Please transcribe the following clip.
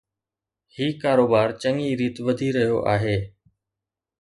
هي ڪاروبار چڱي ريت وڌي رهيو آهي.